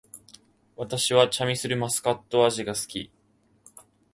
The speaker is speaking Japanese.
私はチャミスルマスカット味が好き